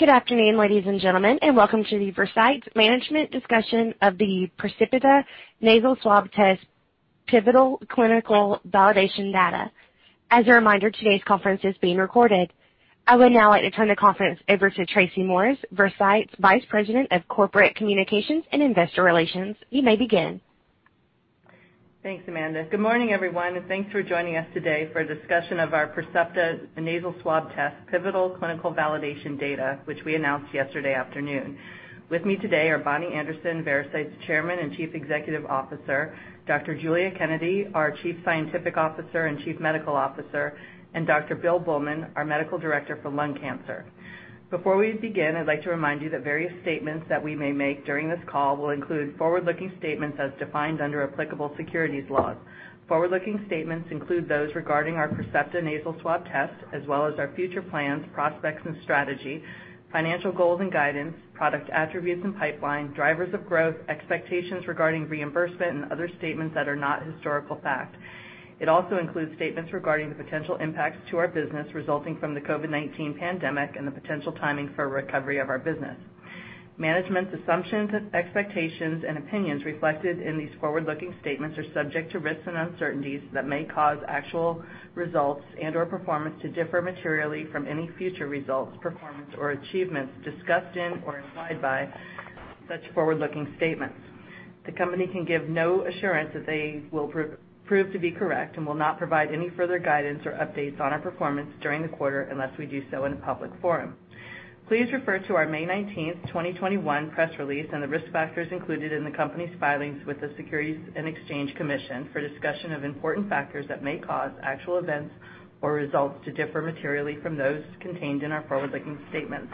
Good afternoon, ladies and gentlemen, and welcome to the Veracyte management discussion of the Percepta Nasal Swab test pivotal clinical validation data. As a reminder, today's conference is being recorded. I will now turn the conference over to Tracy Morris, Veracyte's Vice President of Corporate Communications and Investor Relations. You may begin. Thanks, Amanda. Good morning, everyone, and thanks for joining us today for a discussion of our Percepta Nasal Swab test pivotal clinical validation data, which we announced yesterday afternoon. With me today are Bonnie Anderson, Veracyte's Chairman and Chief Executive Officer, Dr. Giulia Kennedy, our Chief Scientific Officer and Chief Medical Officer, and Dr. Bill Bulman, our Medical Director for Lung Cancer. Before we begin, I'd like to remind you that various statements that we may make during this call will include forward-looking statements as defined under applicable securities laws. Forward-looking statements include those regarding our Percepta Nasal Swab test, as well as our future plans, prospects, and strategy, financial goals and guidance, product attributes and pipeline, drivers of growth, expectations regarding reimbursement, and other statements that are not historical fact. It also includes statements regarding potential impacts to our business resulting from the COVID-19 pandemic and the potential timing for recovery of our business. Management's assumptions, expectations, and opinions reflected in these forward-looking statements are subject to risks and uncertainties that may cause actual results and/or performance to differ materially from any future results, performance, or achievements discussed in or implied by such forward-looking statements. The company can give no assurance that they will prove to be correct and will not provide any further guidance or updates on our performance during the quarter unless we do so in a public forum. Please refer to our May 19th, 2021, press release and the risk factors included in the company's filings with the Securities and Exchange Commission for a discussion of important factors that may cause actual events or results to differ materially from those contained in our forward-looking statements.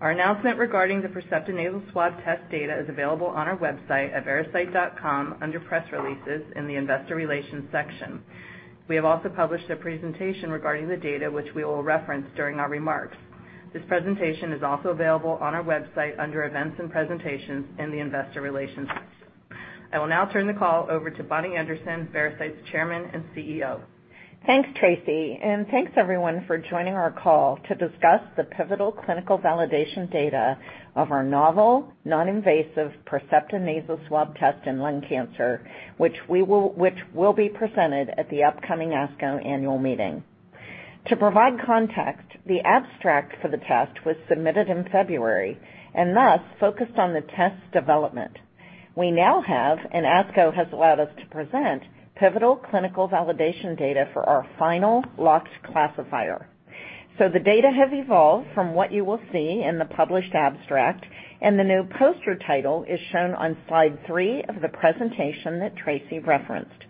Our announcement regarding the Percepta Nasal Swab test data is available on our website at veracyte.com under Press Releases in the Investor Relations section. We have also published a presentation regarding the data, which we will reference during our remarks. This presentation is also available on our website under Events and Presentations in the Investor Relations section. I will now turn the call over to Bonnie Anderson, Veracyte's Chairman and CEO. Thanks, Tracy. Thanks everyone for joining our call to discuss the pivotal clinical validation data of our novel non-invasive Percepta Nasal Swab test in lung cancer, which will be presented at the upcoming ASCO annual meeting. To provide context, the abstract for the test was submitted in February and thus focused on the test development. We now have, and ASCO has allowed us to present, pivotal clinical validation data for our final locked classifier. The data have evolved from what you will see in the published abstract, and the new poster title is shown on slide three of the presentation that Tracy referenced.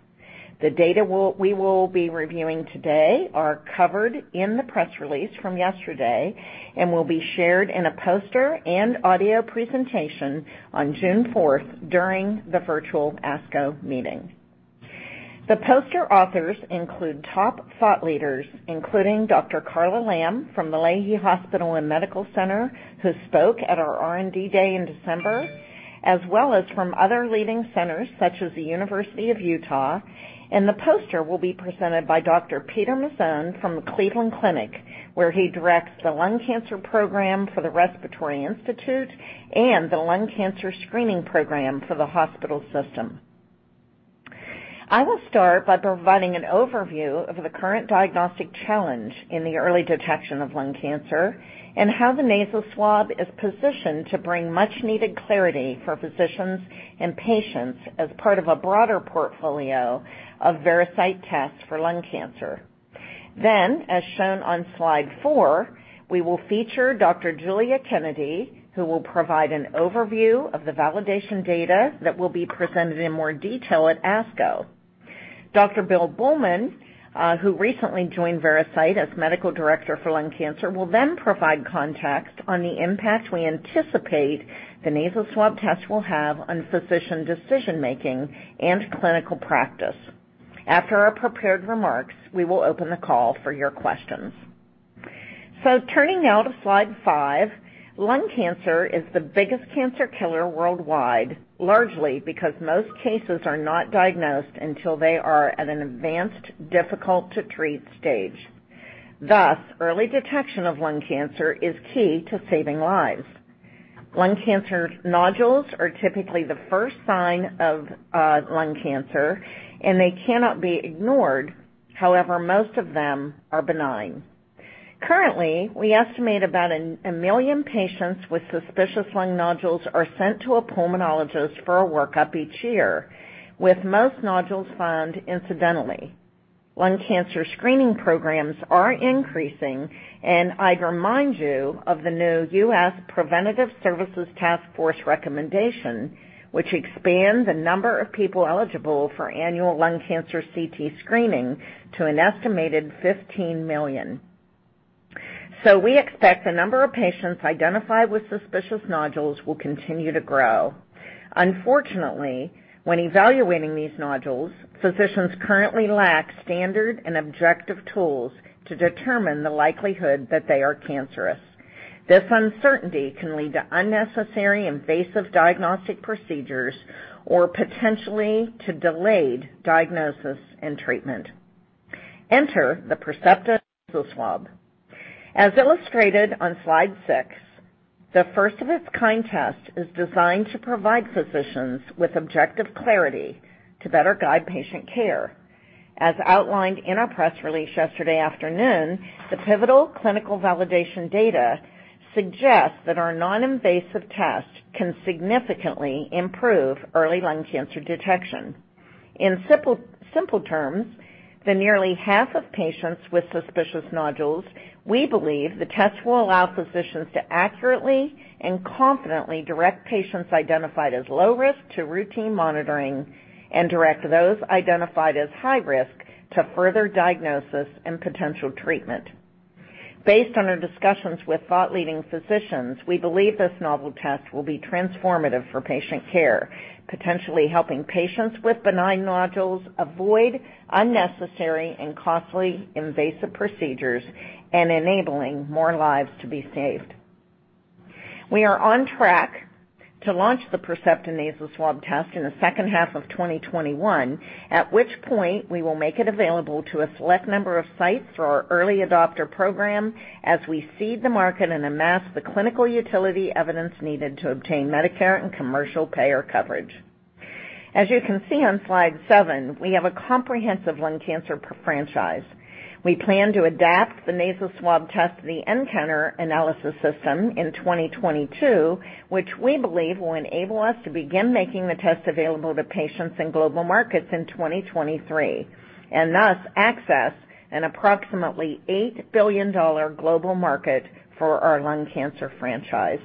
The data we will be reviewing today are covered in the press release from yesterday and will be shared in a poster and audio presentation on June 4th during the virtual ASCO meeting. The poster authors include top thought leaders, including Dr. Carla Lamb from the Lahey Hospital & Medical Center, who spoke at our R&D day in December, as well as from other leading centers such as the University of Utah, and the poster will be presented by Dr. Peter Mazzone from the Cleveland Clinic, where he directs the lung cancer program for the Respiratory Institute and the lung cancer screening program for the hospital system. I will start by providing an overview of the current diagnostic challenge in the early detection of lung cancer and how the Percepta Nasal Swab is positioned to bring much-needed clarity for physicians and patients as part of a broader portfolio of Veracyte tests for lung cancer. As shown on slide four, we will feature Dr. Giulia Kennedy, who will provide an overview of the validation data that will be presented in more detail at ASCO. Dr. Bill Bulman, who recently joined Veracyte as Medical Director for Lung Cancer, will then provide context on the impact we anticipate the nasal swab test will have on physician decision-making and clinical practice. After our prepared remarks, we will open the call for your questions. Turning now to slide 5, lung cancer is the biggest cancer killer worldwide, largely because most cases are not diagnosed until they are at an advanced, difficult-to-treat stage. Thus, early detection of lung cancer is key to saving lives. Lung cancer nodules are typically the first sign of lung cancer, and they cannot be ignored. However, most of them are benign. Currently, we estimate about a million patients with suspicious lung nodules are sent to a pulmonologist for a workup each year, with most nodules found incidentally. Lung cancer screening programs are increasing, and I'd remind you of the new U.S. Preventive Services Task Force recommendation, which expands the number of people eligible for annual lung cancer CT screening to an estimated 15 million. We expect the number of patients identified with suspicious nodules will continue to grow. Unfortunately, when evaluating these nodules, physicians currently lack standard and objective tools to determine the likelihood that they are cancerous. This uncertainty can lead to unnecessary invasive diagnostic procedures or potentially to delayed diagnosis and treatment. Enter the Percepta Nasal Swab. As illustrated on slide 6, the first-of-its-kind test is designed to provide physicians with objective clarity to better guide patient care. As outlined in our press release yesterday afternoon, the pivotal clinical validation data suggests that our non-invasive test can significantly improve early lung cancer detection. In simple terms, the nearly half of patients with suspicious nodules, we believe the test will allow physicians to accurately and confidently direct patients identified as low risk to routine monitoring and direct those identified as high risk to further diagnosis and potential treatment. Based on our discussions with thought-leading physicians, we believe this novel test will be transformative for patient care, potentially helping patients with benign nodules avoid unnecessary and costly invasive procedures and enabling more lives to be saved. We are on track to launch the Percepta Nasal Swab test in the second half of 2021, at which point we will make it available to a select number of sites for our early adopter program as we seed the market and amass the clinical utility evidence needed to obtain Medicare and commercial payer coverage. As you can see on slide 7, we have a comprehensive lung cancer franchise. We plan to adapt the nasal swab test nCounter analysis system in 2022, which we believe will enable us to begin making the test available to patients in global markets in 2023, and thus access an approximately $8 billion global market for our lung cancer franchise.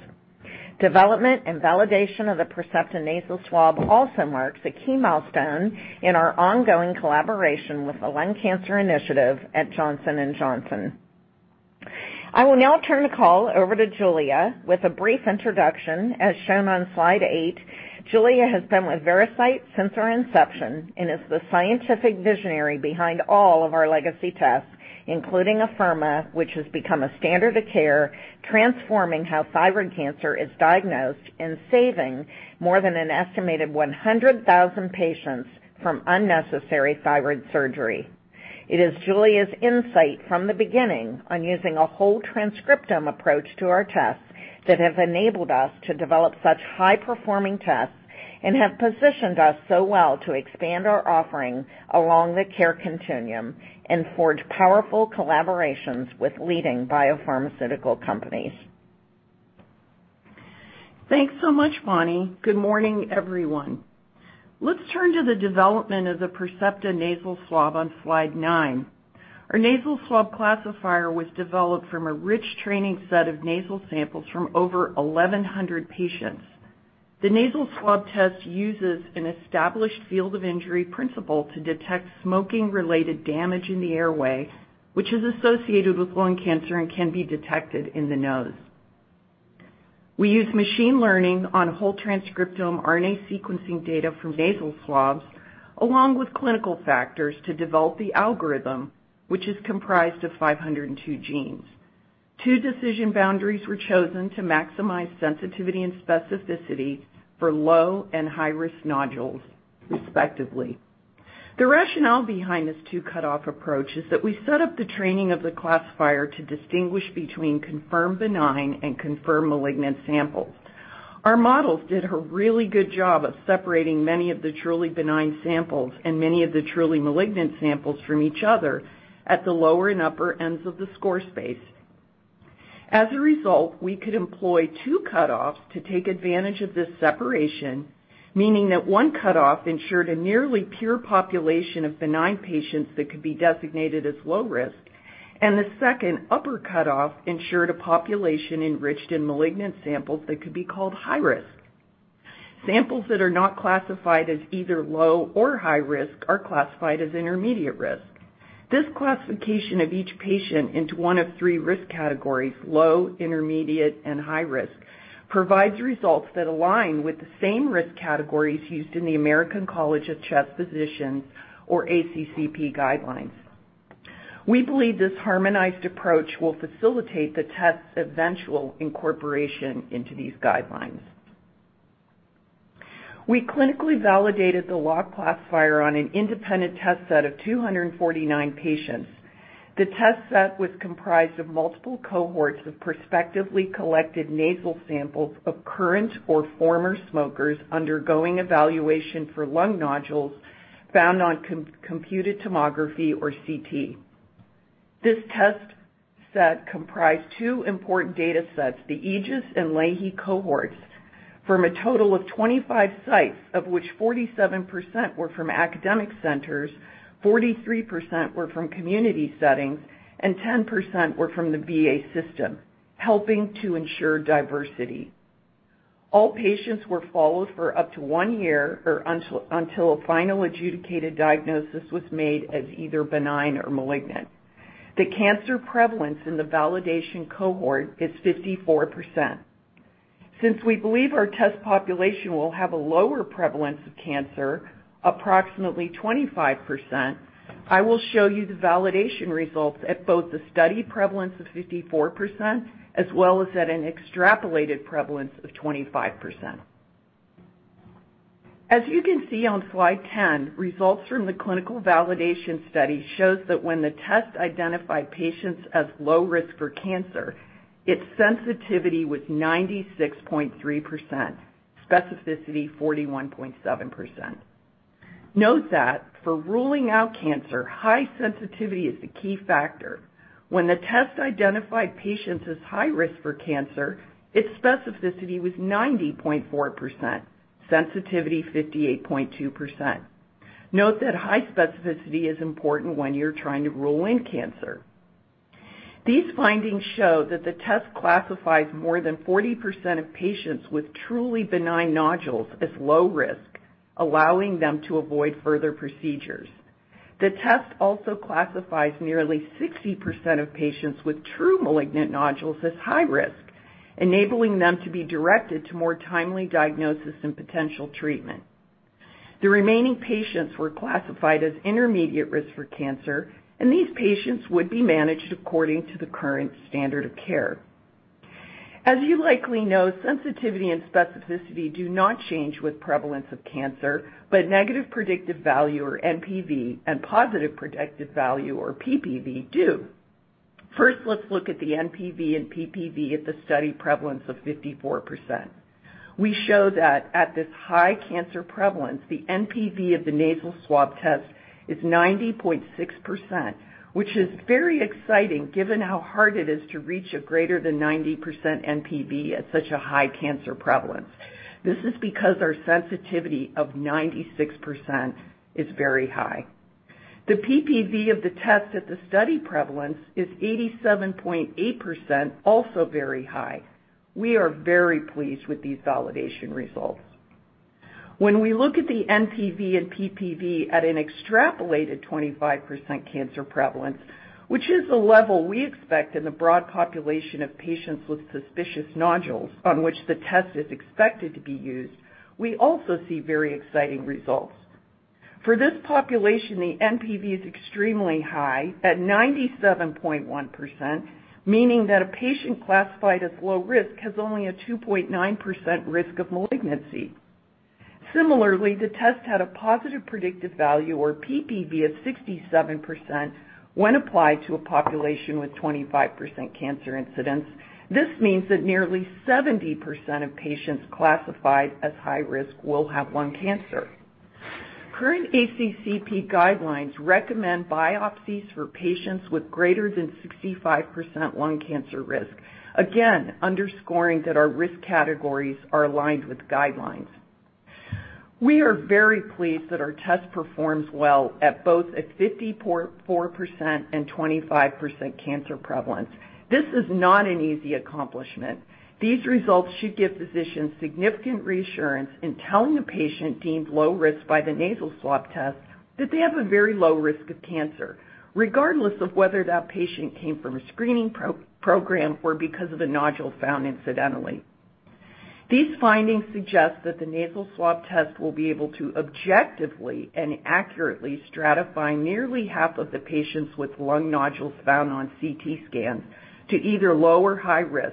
Development and validation of the Percepta Nasal Swab also marks a key milestone in our ongoing collaboration with the Lung Cancer Initiative at Johnson & Johnson. I will now turn the call over to Giulia with a brief introduction, as shown on slide 8. Giulia has been with Veracyte since our inception and is the scientific visionary behind all of our legacy tests, including Afirma, which has become a standard of care, transforming how thyroid cancer is diagnosed and saving more than an estimated 100,000 patients from unnecessary thyroid surgery. It is Giulia's insight from the beginning on using a whole transcriptome approach to our tests that have enabled us to develop such high-performing tests and have positioned us so well to expand our offerings along the care continuum and forge powerful collaborations with leading biopharmaceutical companies. Thanks so much, Bonnie. Good morning, everyone. Let's turn to the development of the Percepta Nasal Swab on slide 9. Our nasal swab classifier was developed from a rich training set of nasal samples from over 1,100 patients. The nasal swab test uses an established field of injury principle to detect smoking-related damage in the airway, which is associated with lung cancer and can be detected in the nose. We use machine learning on whole transcriptome RNA sequencing data from nasal swabs, along with clinical factors to develop the algorithm, which is comprised of 502 genes. Two decision boundaries were chosen to maximize sensitivity and specificity for low and high-risk nodules, respectively. The rationale behind this two-cutoff approach is that we set up the training of the classifier to distinguish between confirmed benign and confirmed malignant samples. Our models did a really good job of separating many of the truly benign samples and many of the truly malignant samples from each other at the lower and upper ends of the score space. We could employ two cutoffs to take advantage of this separation, meaning that one cutoff ensured a nearly pure population of benign patients that could be designated as low risk, and the second upper cutoff ensured a population enriched in malignant samples that could be called high risk. Samples that are not classified as either low or high risk are classified as intermediate risk. This classification of each patient into one of risk categories, low, intermediate, and high risk, provides results that align with the same risk categories used in the American College of Chest Physicians or ACCP guidelines. We believe this harmonized approach will facilitate the test's eventual incorporation into these guidelines. We clinically validated the low classifier on an independent test set of 249 patients. The test set was comprised of multiple cohorts of prospectively collected nasal samples of current or former smokers undergoing evaluation for lung nodules found on computed tomography or CT. This test set comprised two important data sets, the AEGIS and Lahey cohorts, from a total of 25 sites, of which 47% were from academic centers, 43% were from community settings, and 10% were from the VA system, helping to ensure diversity. All patients were followed for up to one year or until a final adjudicated diagnosis was made as either benign or malignant. The cancer prevalence in the validation cohort is 54%. Since we believe our test population will have a lower prevalence of cancer, approximately 25%, I will show you the validation results at both the study prevalence of 54% as well as at an extrapolated prevalence of 25%. As you can see on slide 10, results from the clinical validation study shows that when the test identified patients as low risk for cancer, its sensitivity was 96.3%, specificity 41.7%. Note that for ruling out cancer, high sensitivity is a key factor. When the test identified patients as high risk for cancer, its specificity was 90.4%, sensitivity 58.2%. Note that high specificity is important when you're trying to rule in cancer. These findings show that the test classifies more than 40% of patients with truly benign nodules as low risk, allowing them to avoid further procedures. The test also classifies nearly 60% of patients with true malignant nodules as high risk, enabling them to be directed to more timely diagnosis and potential treatment. The remaining patients were classified as intermediate risk for cancer, and these patients would be managed according to the current standard of care. As you likely know, sensitivity and specificity do not change with prevalence of cancer, but negative predictive value, or NPV, and positive predictive value, or PPV, do. First, let's look at the NPV and PPV at the study prevalence of 54%. We show that at this high cancer prevalence, the NPV of the nasal swab test is 90.6%, which is very exciting given how hard it is to reach a greater than 90% NPV at such a high cancer prevalence. This is because our sensitivity of 96% is very high. The PPV of the test at the study prevalence is 87.8%, also very high. We are very pleased with these validation results. When we look at the NPV and PPV at an extrapolated 25% cancer prevalence, which is the level we expect in the broad population of patients with suspicious nodules on which the test is expected to be used, we also see very exciting results. For this population, the NPV is extremely high at 97.1%, meaning that a patient classified as low risk has only a 2.9% risk of malignancy. Similarly, the test had a positive predictive value, or PPV, of 67% when applied to a population with 25% cancer incidence. This means that nearly 70% of patients classified as high risk will have lung cancer. Current ACCP guidelines recommend biopsies for patients with greater than 65% lung cancer risk, again, underscoring that our risk categories are aligned with guidelines. We are very pleased that our test performs well at both a 54% and 25% cancer prevalence. This is not an easy accomplishment. These results should give physicians significant reassurance in telling a patient deemed low risk by the nasal swab test that they have a very low risk of cancer, regardless of whether that patient came from a screening program or because of a nodule found incidentally. These findings suggest that the nasal swab test will be able to objectively and accurately stratify nearly half of the patients with lung nodules found on CT scans to either low or high risk,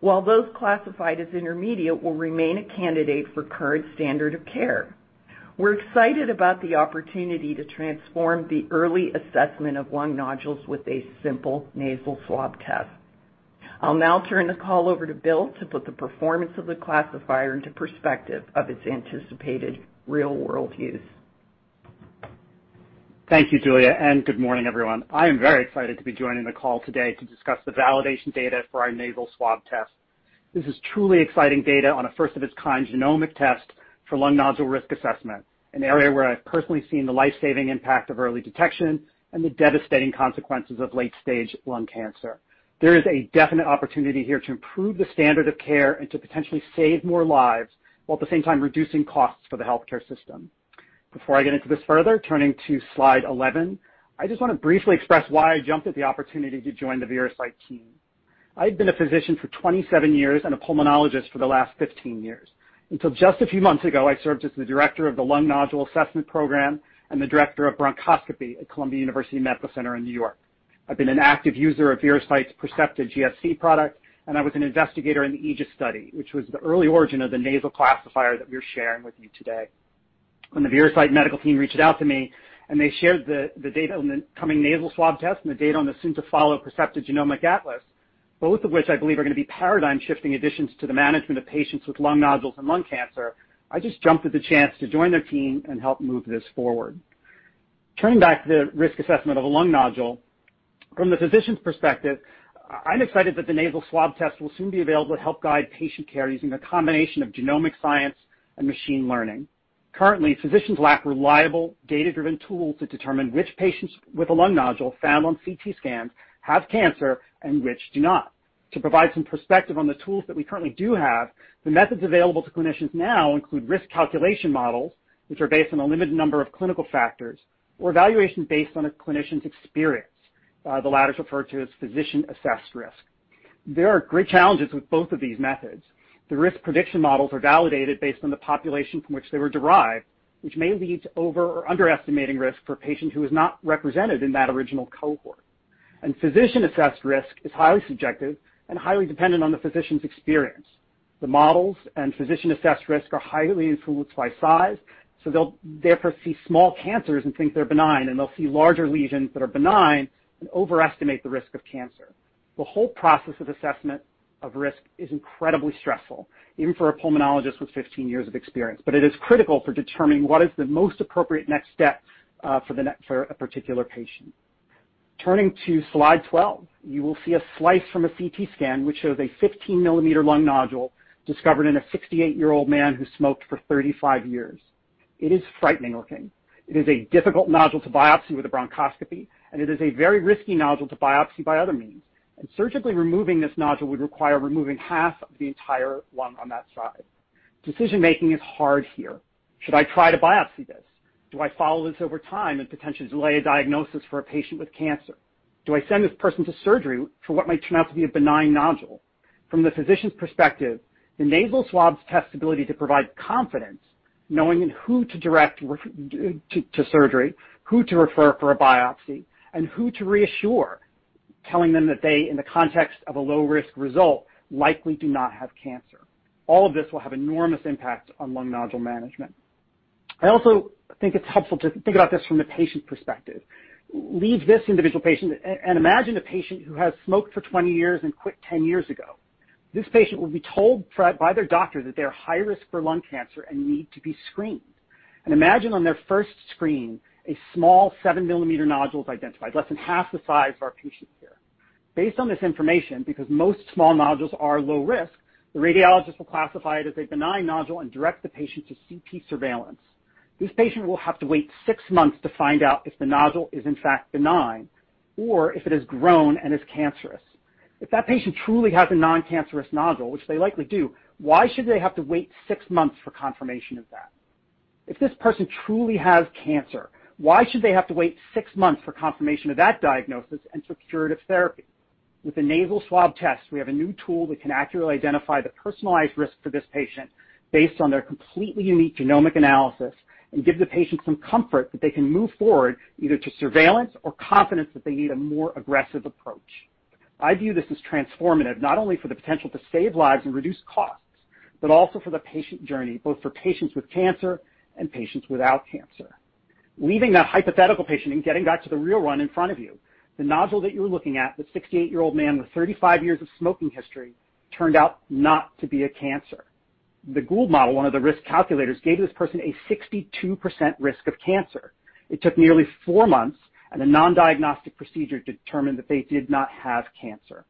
while those classified as intermediate will remain a candidate for current standard of care. We're excited about the opportunity to transform the early assessment of lung nodules with a simple nasal swab test. I'll now turn the call over to Bill to put the performance of the classifier into perspective of its anticipated real-world use. Thank you, Giulia, and good morning, everyone. I am very excited to be joining the call today to discuss the validation data for our nasal swab test. This is truly exciting data on a first-of-its-kind genomic test for lung nodule risk assessment, an area where I've personally seen the life-saving impact of early detection and the devastating consequences of late-stage lung cancer. There is a definite opportunity here to improve the standard of care and to potentially save more lives, while at the same time reducing costs for the healthcare system. Before I get into this further, turning to slide 11, I just want to briefly express why I jumped at the opportunity to join the Veracyte team. I've been a physician for 27 years and a pulmonologist for the last 15 years. Until just a few months ago, I served as the Director of the Lung Nodule Assessment Program and the Director of Bronchoscopy at Columbia University Irving Medical Center in New York. I've been an active user of Veracyte's Percepta GSC product, and I was an investigator in the AEGIS study, which was the early origin of the nasal classifier that we're sharing with you today. When the Veracyte medical team reached out to me, and they shared the data on the coming nasal swab test and the data on the soon-to-follow Percepta Genomic Atlas, both of which I believe are going to be paradigm-shifting additions to the management of patients with lung nodules and lung cancer, I just jumped at the chance to join their team and help move this forward. Turning back to the risk assessment of a lung nodule, from the physician's perspective, I'm excited that the nasal swab test will soon be available to help guide patient care using a combination of genomic science and machine learning. Currently, physicians lack reliable, data-driven tools to determine which patients with a lung nodule found on CT scans have cancer and which do not. To provide some perspective on the tools that we currently do have, the methods available to clinicians now include risk calculation models, which are based on a limited number of clinical factors, or evaluations based on a clinician's experience. The latter is referred to as physician-assessed risk. There are great challenges with both of these methods. The risk prediction models are validated based on the population from which they were derived, which may lead to over or underestimating risk for a patient who is not represented in that original cohort. Physician-assessed risk is highly subjective and highly dependent on the physician's experience. The models and physician-assessed risk are highly influenced by size, so they'll therefore see small cancers and think they're benign, and they'll see larger lesions that are benign and overestimate the risk of cancer. The whole process of assessment of risk is incredibly stressful, even for a pulmonologist with 15 years of experience. It is critical for determining what is the most appropriate next step for a particular patient. Turning to slide 12, you will see a slice from a CT scan, which shows a 15-mm lung nodule discovered in a 68-year-old man who smoked for 35 years. It is frightening looking. It is a difficult nodule to biopsy with a bronchoscopy, and it is a very risky nodule to biopsy by other means. Surgically removing this nodule would require removing half of the entire lung on that side. Decision-making is hard here. Should I try to biopsy this? Do I follow this over time and potentially delay a diagnosis for a patient with cancer? Do I send this person to surgery for what might turn out to be a benign nodule? From the physician's perspective, the nasal swab test ability to provide confidence, knowing who to direct to surgery, who to refer for a biopsy, and who to reassure, telling them that they, in the context of a low-risk result, likely do not have cancer. All of this will have enormous impacts on lung nodule management. I also think it's helpful to think about this from a patient perspective. Leave this individual patient and imagine a patient who has smoked for 20 years and quit 10 years ago. This patient will be told by their doctor that they are high risk for lung cancer and need to be screened. Imagine on their first screen, a small 7-mm nodule is identified, less than half the size of our patient's here. Based on this information, because most small nodules are low risk, the radiologist will classify it as a benign nodule and direct the patient to CT surveillance. This patient will have to wait six months to find out if the nodule is in fact benign or if it has grown and is cancerous. If that patient truly has a non-cancerous nodule, which they likely do, why should they have to wait six months for confirmation of that? If this person truly has cancer, why should they have to wait six months for confirmation of that diagnosis and for curative therapy? With the nasal swab test, we have a new tool that can accurately identify the personalized risk for this patient based on their completely unique genomic analysis and give the patient some comfort that they can move forward either to surveillance or confidence that they need a more aggressive approach. I view this as transformative not only for the potential to save lives and reduce costs, but also for the patient journey, both for patients with cancer and patients without cancer. Leaving that hypothetical patient and getting back to the real one in front of you, the nodule that you're looking at, the 68-year-old man with 35 years of smoking history, turned out not to be a cancer. The Gould model, one of the risk calculators, gave this person a 62% risk of cancer. It took nearly four months and a non-diagnostic procedure to determine that they did not have cancer.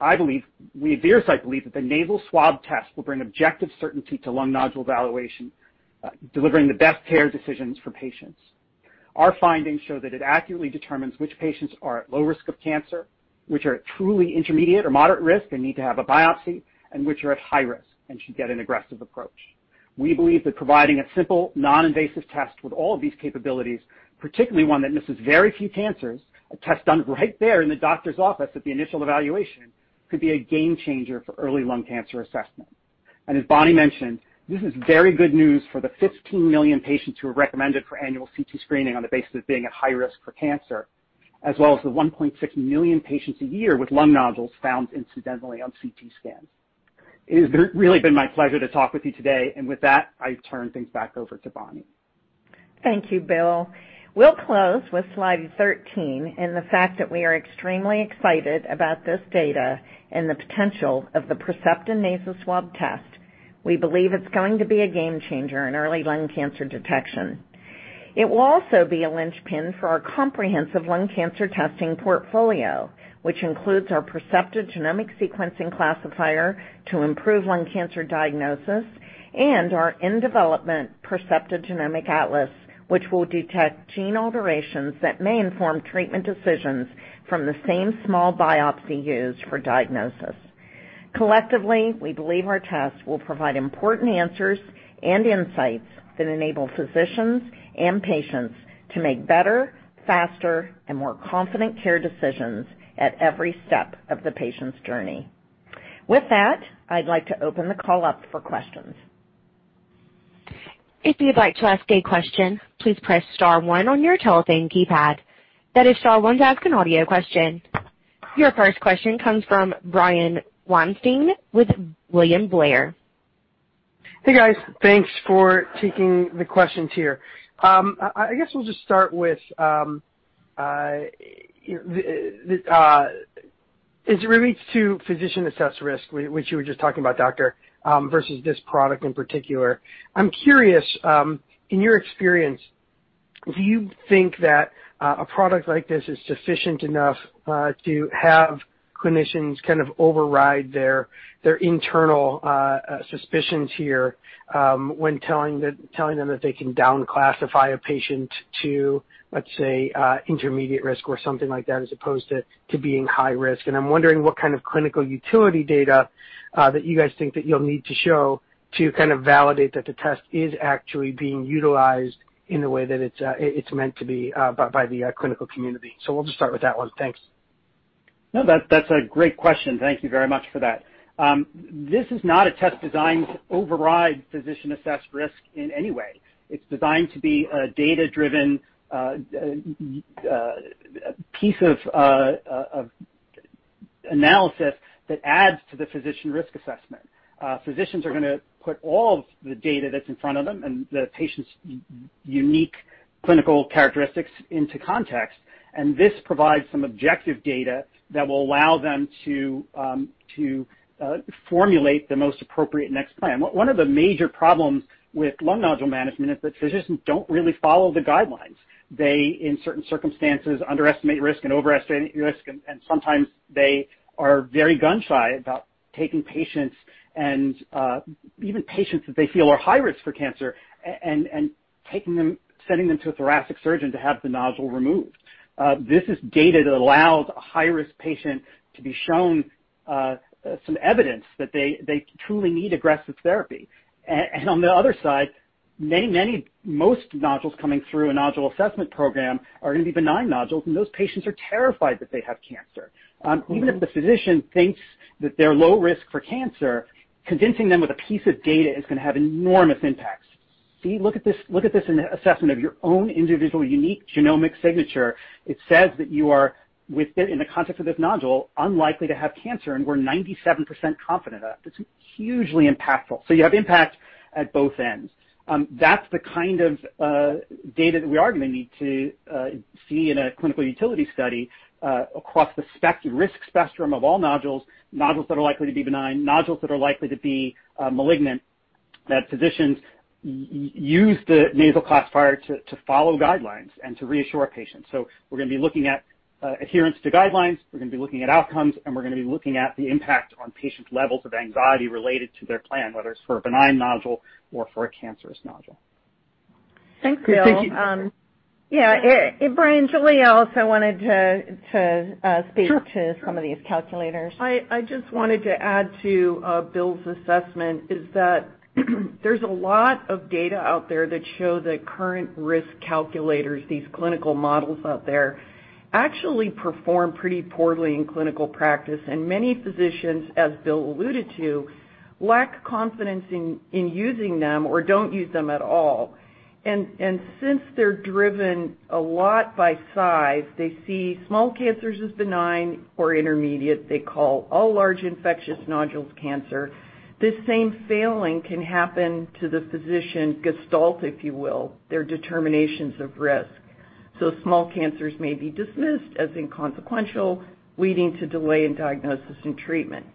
I believe, we at Veracyte believe that the nasal swab test will bring objective certainty to lung nodule evaluation, delivering the best care decisions for patients. Our findings show that it accurately determines which patients are at low risk of cancer, which are truly intermediate or moderate risk and need to have a biopsy, and which are at high risk and should get an aggressive approach. We believe that providing a simple, non-invasive test with all these capabilities, particularly one that misses very few cancers, a test done right there in the doctor's office at the initial evaluation, could be a game-changer for early lung cancer assessment. As Bonnie mentioned, this is very good news for the 15 million patients who are recommended for annual CT screening on the basis of being at high risk for cancer, as well as the 1.6 million patients a year with lung nodules found incidentally on CT scans. It has really been my pleasure to talk with you today. With that, I turn things back over to Bonnie. Thank you, Bill. We'll close with slide 13 and the fact that we are extremely excited about this data and the potential of the Percepta Nasal Swab test. We believe it's going to be a game-changer in early lung cancer detection. It will also be a linchpin for our comprehensive lung cancer testing portfolio, which includes our Percepta Genomic Sequencing Classifier to improve lung cancer diagnosis and our in-development Percepta Genomic Atlas, which will detect gene alterations that may inform treatment decisions from the same small biopsy used for diagnosis. Collectively, we believe our tests will provide important answers and insights that enable physicians and patients to make better, faster, and more confident care decisions at every step of the patient's journey. With that, I'd like to open the call up for questions. If you'd like to ask a question, please press star one on your telephone keypad. [inaudible] Your first question comes from Brian Weinstein with William Blair. Hey, guys. Thanks for taking the questions here. I guess we'll just start with, it's related to physician-assessed risk, which you were just talking about, Doctor, versus this product in particular. I'm curious, in your experience, do you think that a product like this is sufficient enough to have clinicians kind of override their internal suspicions here when telling them that they can down classify a patient to, let's say, intermediate risk or something like that, as opposed to being high risk? I'm wondering what kind of clinical utility data that you guys think that you'll need to show to kind of validate that the test is actually being utilized in a way that it's meant to be by the clinical community. We'll just start with that one. Thanks. No, that's a great question. Thank you very much for that. This is not a test designed to override physician-assessed risk in any way. It's designed to be a data-driven piece of analysis that adds to the physician risk assessment. Physicians are going to put all of the data that's in front of them and the patient's unique clinical characteristics into context, and this provides some objective data that will allow them to formulate the most appropriate next plan. One of the major problems with lung nodule management is that physicians don't really follow the guidelines. They, in certain circumstances, underestimate risk and overestimate risk, and sometimes they are very gun-shy about taking patients, even patients that they feel are high risk for cancer, and sending them to a thoracic surgeon to have the nodule removed. This is data that allows a high-risk patient to be shown some evidence that they truly need aggressive therapy. On the other side, most nodules coming through a nodule assessment program are going to be benign nodules, and those patients are terrified that they have cancer. Even if a physician thinks that they're low risk for cancer, convincing them with a piece of data is going to have enormous impact. See, look at this assessment of your own individual, unique genomic signature. It says that you are, within the context of this nodule, unlikely to have cancer, and we're 97% confident of that. It's hugely impactful. You have impact at both ends. That's the kind of data that we are going to need to see in a clinical utility study across the risk spectrum of all nodules that are likely to be benign, nodules that are likely to be malignant, that physicians use the nasal classifier to follow guidelines and to reassure patients. We're going to be looking at adherence to guidelines, we're going to be looking at outcomes, and we're going to be looking at the impact on patients' levels of anxiety related to their plan, whether it's for a benign nodule or for a cancerous nodule. Thank you. Yeah. Brian, something else I wanted to speak to some of these calculators. I just wanted to add to Bill's assessment is that there's a lot of data out there that show that current risk calculators, these clinical models out there, actually perform pretty poorly in clinical practice, and many physicians, as Bill alluded to, lack confidence in using them or don't use them at all. Since they're driven a lot by size, they see small cancers as benign or intermediate. They call all large infectious nodules cancer. This same failing can happen to the physician gestalt, if you will, their determinations of risk. Small cancers may be dismissed as inconsequential, leading to delay in diagnosis and treatment.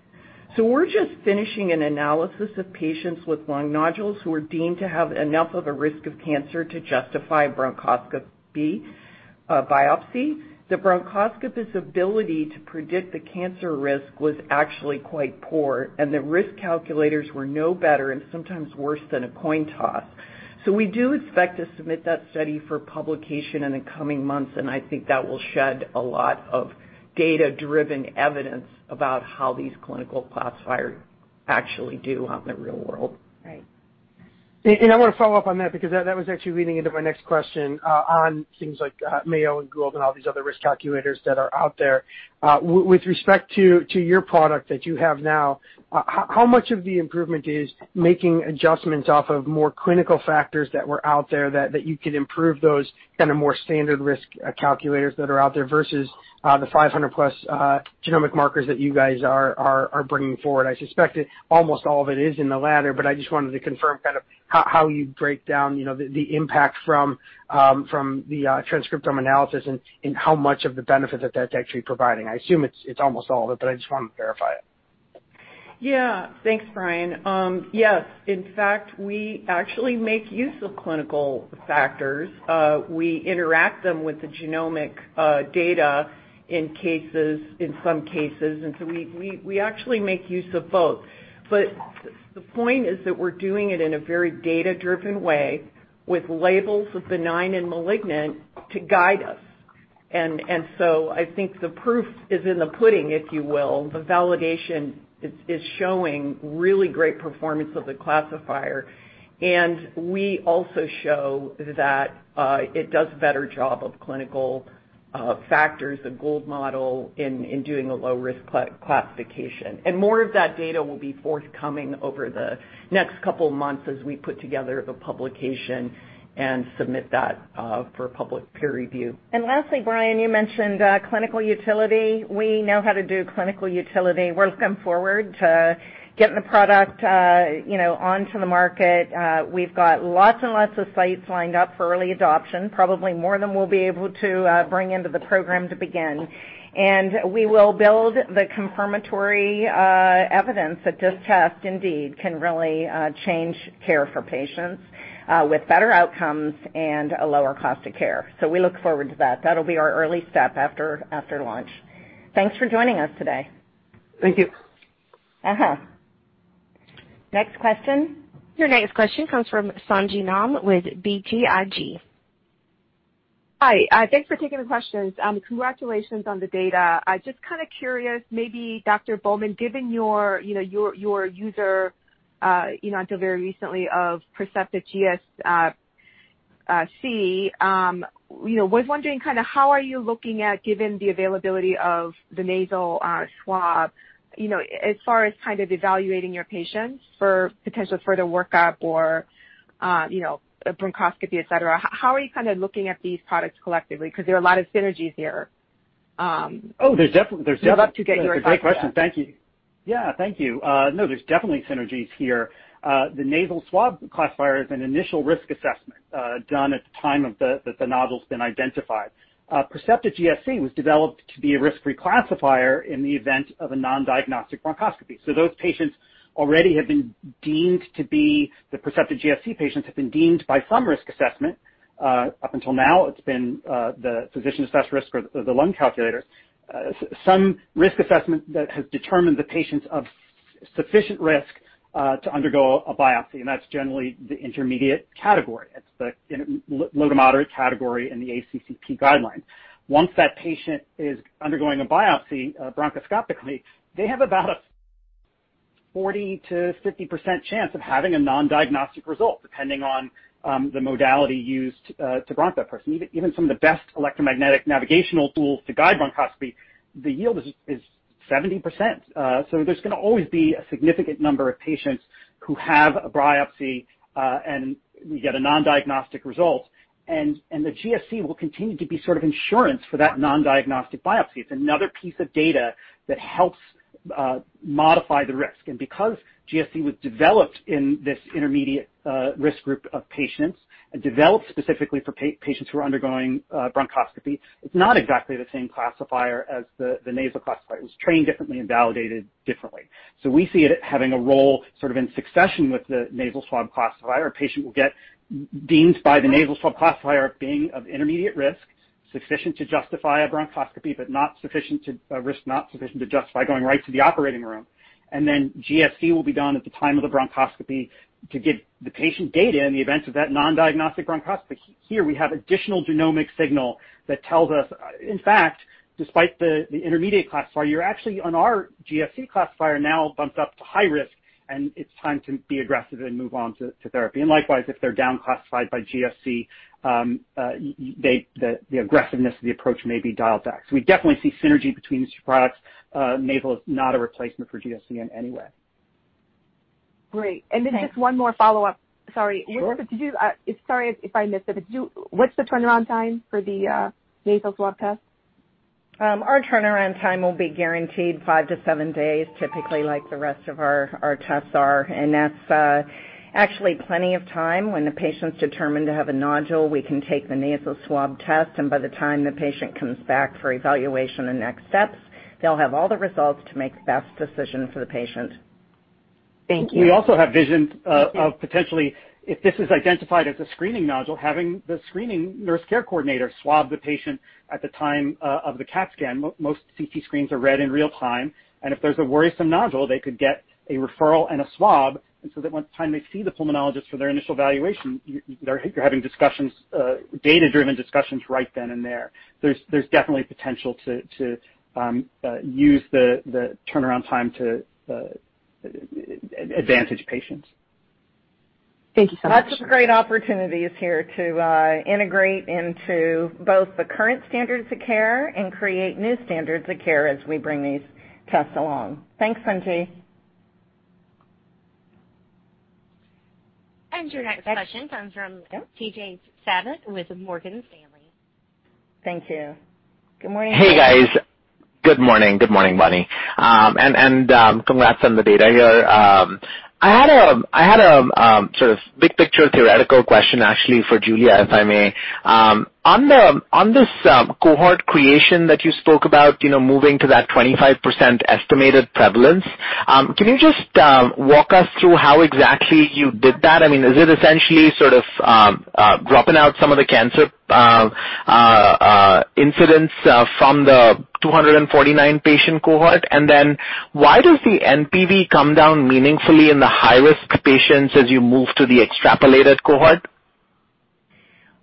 We're just finishing an analysis of patients with lung nodules who are deemed to have enough of a risk of cancer to justify bronchoscopy biopsy. The bronchoscopy's ability to predict the cancer risk was actually quite poor, and the risk calculators were no better and sometimes worse than a coin toss. We do expect to submit that study for publication in the coming months, and I think that will shed a lot of data-driven evidence about how these clinical classifiers actually do out in the real world. Right. I want to follow-up on that because that was actually leading into my next question on things like Mayo and Gould and all these other risk calculators that are out there. With respect to your product that you have now, how much of the improvement is making adjustments off of more clinical factors that were out there that you could improve those kind of more standard risk calculators that are out there versus the 500+ genomic markers that you guys are bringing forward? I suspect almost all of it is in the latter. I just wanted to confirm how you'd break down the impact from the transcriptome analysis and how much of the benefit that's actually providing. I assume it's almost all of it. I just want to verify. Yeah. Thanks, Brian. Yes. In fact, we actually make use of clinical factors. We interact them with the genomic data in some cases, so we actually make use of both. The point is that we're doing it in a very data-driven way with labels of benign and malignant to guide us. I think the proof is in the pudding, if you will. The validation is showing really great performance of the classifier, and we also show that it does a better job of clinical factors, a Gould model in doing a low-risk classification. More of that data will be forthcoming over the next couple of months as we put together the publication and submit that for public peer review. Lastly, Brian, you mentioned clinical utility. We know how to do clinical utility. We're looking forward to getting the product onto the market. We've got lots and lots of sites lined up for early adoption, probably more than we'll be able to bring into the program to begin. We will build the confirmatory evidence that this test indeed can really change care for patients with better outcomes and a lower cost of care. We look forward to that. That'll be our early step after launch. Thanks for joining us today. Thank you. Next question. Your next question comes from Sung Ji Nam with BTIG. Hi. Thanks for taking the questions. Congratulations on the data. Just kind of curious, maybe Dr. Bulman, given your user event very recently of Percepta GSC, I was wondering how are you looking at, given the availability of the nasal swab, as far as evaluating your patients for potential further workup or bronchoscopy, et cetera? How are you looking at these products collectively? There are a lot of synergies here. Oh, there's definitely Great question. Thank you. Yeah, thank you. There's definitely synergies here. The Nasal Swab classifier is an initial risk assessment done at the time that the nodule's been identified. Percepta GSC was developed to be a risk reclassifier in the event of a non-diagnostic bronchoscopy. Those patients already, the Percepta GSC patients, have been deemed by some risk assessment. Up until now, it's been the physician-assessed risk or the lung calculator, some risk assessment that has determined the patients of sufficient risk to undergo a biopsy, and that's generally the intermediate category. It's the low to moderate category in the ACCP guideline. Once that patient is undergoing a biopsy bronchoscopically, they have about a 40%-50% chance of having a non-diagnostic result, depending on the modality used to bronch a person. Even some of the best electromagnetic navigational tools to guide bronchoscopy, the yield is 70%. There's going to always be a significant number of patients who have a biopsy and get a non-diagnostic result. The GSC will continue to be sort of insurance for that non-diagnostic biopsy. It's another piece of data that helps modify the risk. Because GSC was developed in this intermediate risk group of patients and developed specifically for patients who are undergoing bronchoscopy, it's not exactly the same classifier as the nasal classifier. It was trained differently and validated differently. We see it having a role sort of in succession with the nasal swab classifier. A patient will get deemed by the nasal swab classifier of being of intermediate risk, sufficient to justify a bronchoscopy, but risk not sufficient to justify going right to the operating room. GSC will be done at the time of the bronchoscopy to give the patient data in the event of that non-diagnostic bronchoscopy. Here, we have additional genomic signal that tells us, in fact, despite the intermediate classifier, you're actually on our GSC classifier now bumped up to high risk, and it's time to be aggressive and move on to therapy. Likewise, if they're down-classified by GSC, the aggressiveness of the approach may be dialed back. We definitely see synergy between these two products. Nasal is not a replacement for GSC in any way. Great. Just one more follow-up. Sorry, if I missed it, but what's the turnaround time for the nasal swab test? Our turnaround time will be guaranteed five to seven days, typically like the rest of our tests are. That's actually plenty of time. When the patient's determined to have a nodule, we can take the nasal swab test, and by the time the patient comes back for evaluation and next steps, they'll have all the results to make the best decision for the patient. Thank you. We also have visions of potentially, if this is identified as a screening nodule, having the screening nurse care coordinator swab the patient at the time of the CAT scan. Most CT screens are read in real-time, and if there's a worrisome nodule, they could get a referral and a swab, and so that by the time they see the pulmonologist for their initial evaluation, they're having data-driven discussions right then and there. There's definitely potential to use the turnaround time to advantage patients. Thank you so much. Lots of great opportunities here to integrate into both the current standards of care and create new standards of care as we bring these tests along. Thanks, Sung Ji. Your next question comes from Tejas Savant with Morgan Stanley. Thank you. Good morning. Hey, guys. Good morning. Good morning, Bonnie. Congrats on the data here. I had a sort of big-picture theoretical question, actually, for Giulia, if I may. On this cohort creation that you spoke about, moving to that 25% estimated prevalence, can you just walk us through how exactly you did that? I mean, is it essentially sort of dropping out some of the cancer incidents from the 249-patient cohort? Then why does the NPV come down meaningfully in the high-risk patients as you move to the extrapolated cohort?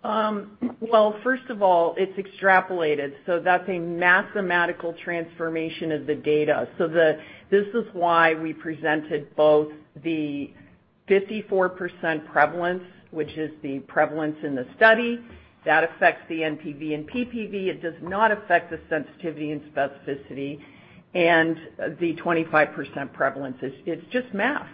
Well, first of all, it's extrapolated. That's a mathematical transformation of the data. This is why we presented both the 54% prevalence, which is the prevalence in the study. That affects the NPV and PPV. It does not affect the sensitivity and specificity and the 25% prevalence. It's just math.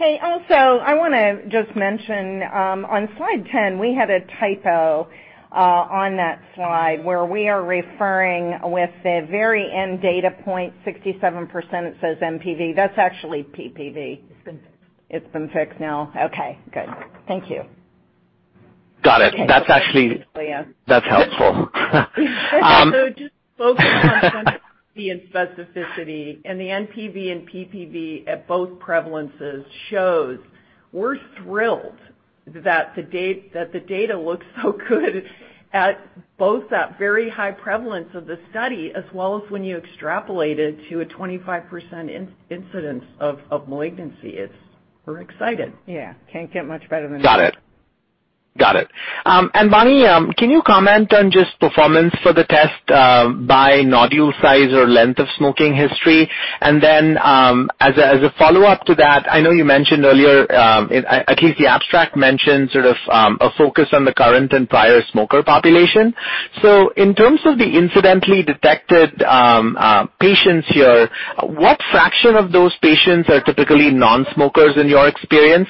Also, I want to just mention, on slide 10, we had a typo on that slide where we are referring with the very end data point, 67% it says NPV. That's actually PPV. It's been fixed now. Okay, good. Thank you. Got it. That's helpful. Just focusing on sensitivity and specificity and the NPV and PPV at both prevalences shows we're thrilled that the data looks so good at both that very high prevalence of the study as well as when you extrapolate it to a 25% incidence of malignancy. We're excited. Yeah. Can't get much better than that. Got it. Bonnie, can you comment on just performance for the test by nodule size or length of smoking history? Then, as a follow-up to that, I know you mentioned earlier, at least the abstract mentions sort of a focus on the current and prior smoker population. In terms of the incidentally detected patients here, what fraction of those patients are typically non-smokers in your experience?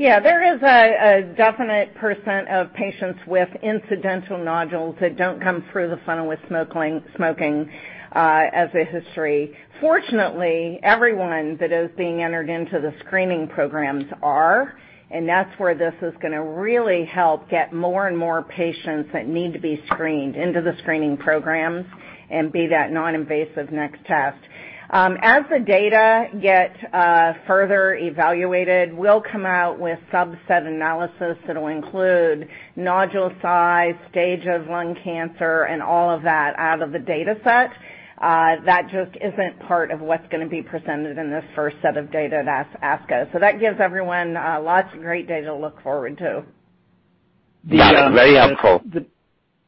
There is a definite percent of patients with incidental nodules that don't come through the funnel with smoking as a history. Fortunately, everyone that is being entered into the screening programs are. That's where this is going to really help get more and more patients that need to be screened into the screening programs and be that non-invasive next test. As the data gets further evaluated, we'll come out with subset analysis that'll include nodule size, stage of lung cancer, and all of that out of the data set. That just isn't part of what's going to be presented in this first set of data at ASCO. That gives everyone lots of great data to look forward to. Got it. Very helpful.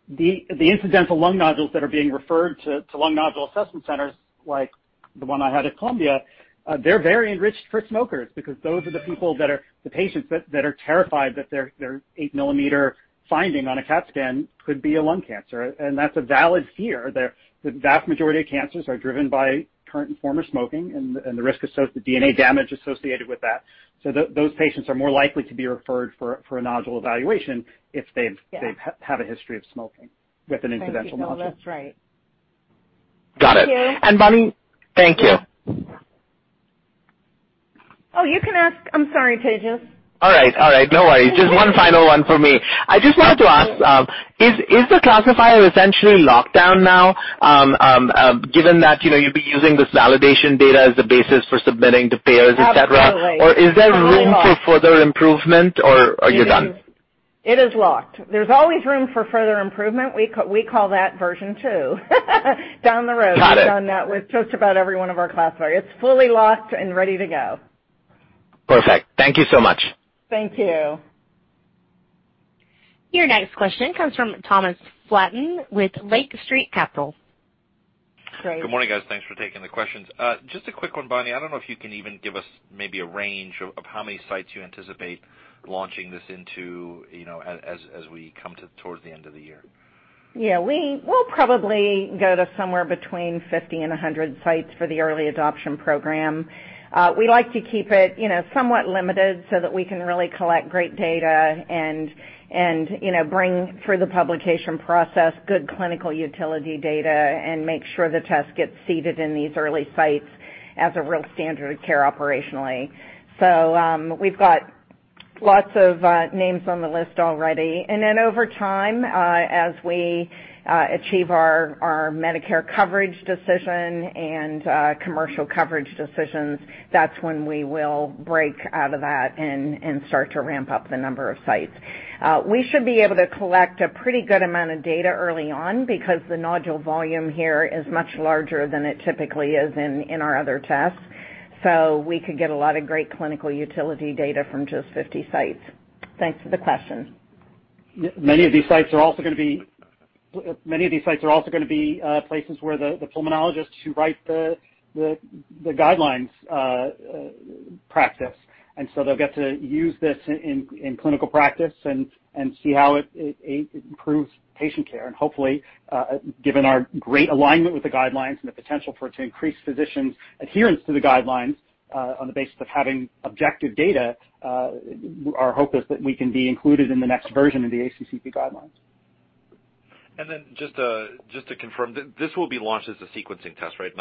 The incidental lung nodules that are being referred to lung nodule assessment centers like the one I have at Columbia, they're very enriched for smokers because those are the people that are the patients that are terrified that their 8-mm finding on a CAT scan could be a lung cancer. That's a valid fear. The vast majority of cancers are driven by current and former smoking and the risk of the DNA damage associated with that. Those patients are more likely to be referred for a nodule evaluation if they have a history of smoking with an incidental nodule. That's right. Got it. Bonnie, thank you. Oh, you can ask. I'm sorry, Tejas. All right. No worries. Just one final one from me. I just wanted to ask, is the classifier essentially locked down now? Given that you'll be using this validation data as the basis for submitting to payers, et cetera. Absolutely. Is there room for further improvement, or are you done? It is locked. There's always room for further improvement. We call that version two down the road. Got it. We've done that with just about every one of our classifiers. It's fully locked and ready to go. Perfect. Thank you so much. Thank you. Your next question comes from Thomas Flaten with Lake Street Capital Markets. Good morning, guys. Thanks for taking the questions. Just a quick one, Bonnie. I don't know if you can even give us maybe a range of how many sites you anticipate launching this into, as we come towards the end of the year? Yeah, we'll probably go to somewhere between 50 and 100 sites for the early adoption program. We like to keep it somewhat limited so that we can really collect great data and bring through the publication process good clinical utility data and make sure the test gets seated in these early sites as a real standard of care operationally. We've got lots of names on the list already. Over time, as we achieve our Medicare coverage decision and commercial coverage decisions, that's when we will break out of that and start to ramp up the number of sites. We should be able to collect a pretty good amount of data early on because the nodule volume here is much larger than it typically is in our other tests. We could get a lot of great clinical utility data from just 50 sites. Thanks for the question. Many of these sites are also going to be places where the pulmonologists who write the guidelines practice. So they'll get to use this in clinical practice and see how it improves patient care. Hopefully, given our great alignment with the guidelines and the potential for it to increase physicians' adherence to the guidelines on the basis of having objective data, our hope is that we can be included in the next version of the ACCP guidelines. Just to confirm, this will be launched as a sequencing test, right?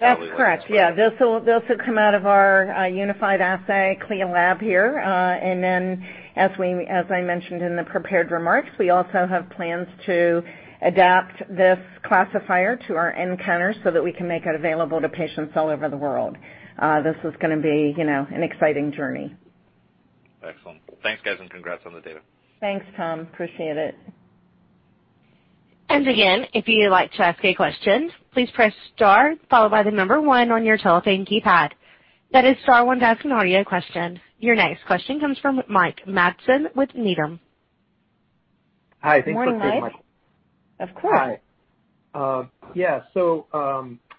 That's correct, yeah. This will come out of our unified assay CLIA lab here. As I mentioned in the prepared remarks, we also have plans to adapt this classifier to our nCounter so that we can make it available to patients all over the world. This is going to be an exciting journey. Excellent. Thanks, guys, and congrats on the data. Thanks, Tom. Appreciate it. Again, if you'd like to ask any questions, please press star followed by the number one on your telephone keypad. That is star one to ask an audio question. Your next question comes from Mike Matson with Needham. Hi, thanks for taking my question. Morning, Mike. Of course. Hi. Yeah,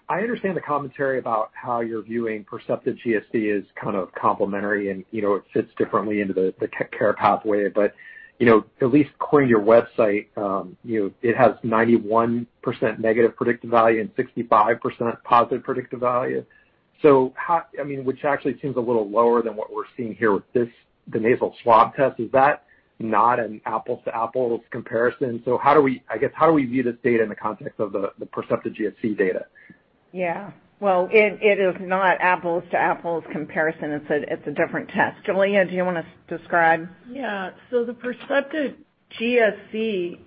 I understand the commentary about how you're viewing Percepta GSC as kind of complementary and it fits differently into the care pathway. At least according to your website, it has 91% negative predictive value and 65% positive predictive value. Which actually seems a little lower than what we're seeing here with the nasal swab test. Is that not an apples-to-apples comparison? I guess how do we view this data in the context of the Percepta GSC data? Well, it is not apples to apples comparison. It's a different test. Giulia, do you want to describe? The Percepta GSC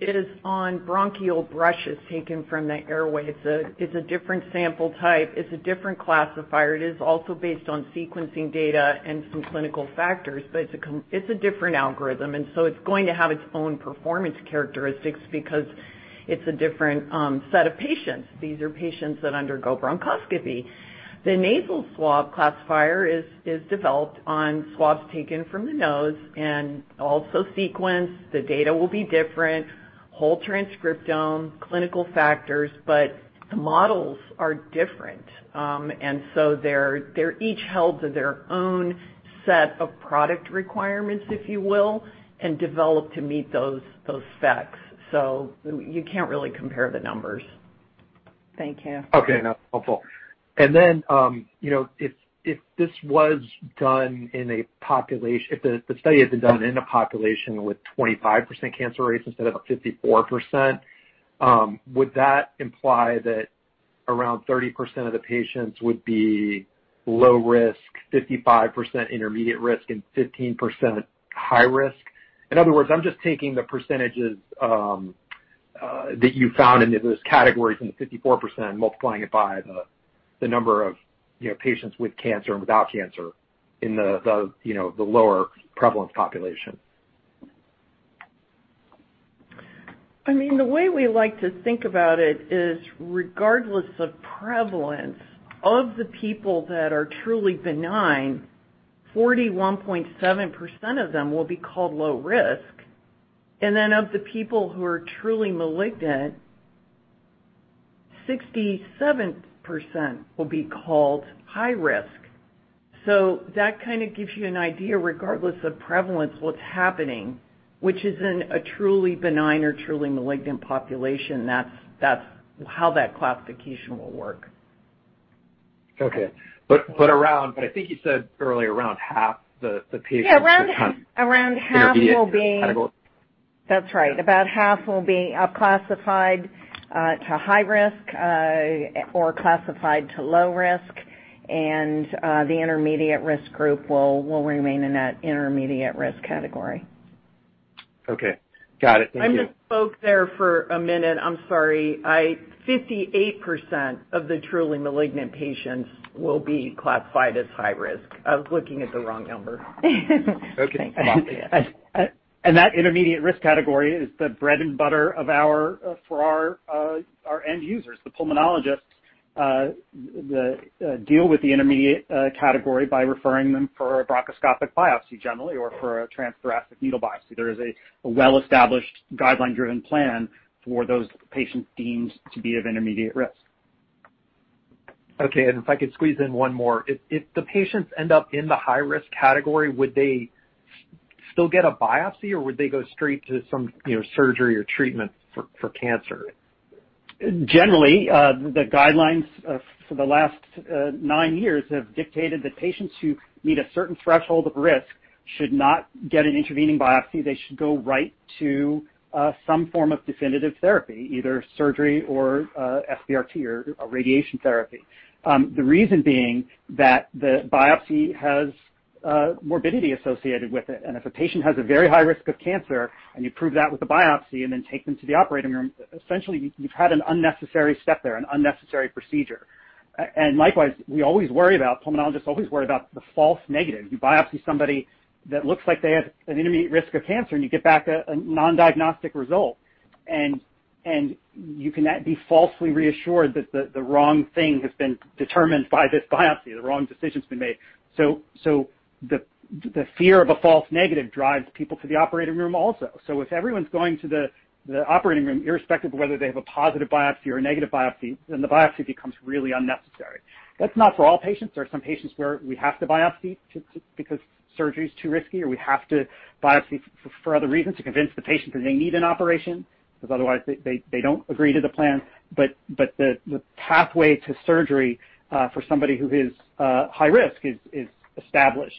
is on bronchial brushes taken from the airway. It's a different sample type. It's a different classifier. It is also based on sequencing data and some clinical factors, but it's a different algorithm, and so it's going to have its own performance characteristics because it's a different set of patients. These are patients that undergo bronchoscopy. The nasal swab classifier is developed on swabs taken from the nose and also sequenced. The data will be different. Whole transcriptome, clinical factors, but the models are different. They're each held to their own set of product requirements, if you will, and developed to meet those specs. You can't really compare the numbers. Thank you. Okay, that's helpful. If the study had been done in a population with 25% cancer rates instead of 54%, would that imply that around 30% of the patients would be low risk, 55% intermediate risk, and 15% high risk? In other words, I'm just taking the percentages that you found in those categories and 54% and multiplying it by the number of patients with cancer and without cancer in the lower prevalent population. The way we like to think about it is regardless of prevalence, of the people that are truly benign, 41.7% of them will be called low risk. Of the people who are truly malignant, 67% will be called high risk. That gives you an idea, regardless of prevalence, what's happening, which is in a truly benign or truly malignant population, that's how that classification will work. Okay. I think you said earlier, around half the patients will be in the high risk. That's right. About half will be classified to high risk or classified to low risk, and the intermediate risk group will remain in that intermediate risk category. Okay, got it. Thank you. I misspoke there for a minute. I'm sorry. 58% of the truly malignant patients will be classified as high risk. I was looking at the wrong number. Okay. Got it. That intermediate risk category is the bread and butter for our end users, the pulmonologists that deal with the intermediate category by referring them for a bronchoscopic biopsy, generally, or for a transthoracic needle biopsy. There is a well-established guideline-driven plan for those patients deemed to be of intermediate risk. Okay, if I could squeeze in one more. If the patients end up in the high-risk category, would they still get a biopsy, or would they go straight to some surgery or treatment for cancer? Generally, the guidelines for the last nine years have dictated that patients who meet a certain threshold of risk should not get an intervening biopsy. They should go right to some form of definitive therapy, either surgery or SBRT or radiation therapy. The reason being that the biopsy has morbidity associated with it. If a patient has a very high risk of cancer and you prove that with a biopsy and then take them to the operating room, essentially, you've had an unnecessary step there, an unnecessary procedure. Likewise, pulmonologists always worry about the false negative. You biopsy somebody that looks like they have an intermediate risk of cancer, and you get back a non-diagnostic result. You can be falsely reassured that the wrong thing has been determined by this biopsy, the wrong decision's been made. The fear of a false negative drives people to the operating room also. If everyone's going to the operating room, irrespective of whether they have a positive biopsy or a negative biopsy, then the biopsy becomes really unnecessary. That's not for all patients. There are some patients where we have to biopsy because surgery's too risky, or we have to biopsy for other reasons to convince the patient that they need an operation because otherwise they don't agree to the plan. The pathway to surgery for somebody who is high risk is established.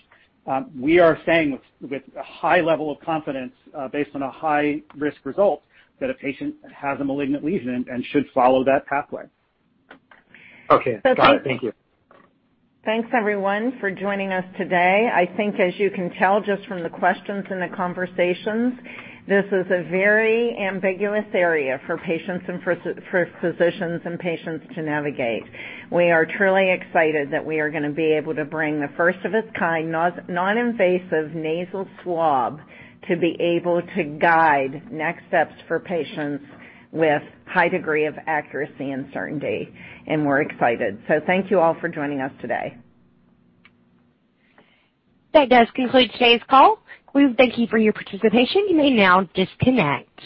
We are saying with a high level of confidence based on a high-risk result that a patient has a malignant lesion and should follow that pathway. Okay. Got it. Thank you. Thanks, everyone, for joining us today. I think as you can tell just from the questions and the conversations, this is a very ambiguous area for physicians and patients to navigate. We are truly excited that we are going to be able to bring the first of its kind non-invasive nasal swab to be able to guide next steps for patients with a high degree of accuracy and certainty. We're excited. Thank you all for joining us today. That does conclude today's call. We thank you for your participation. You may now disconnect.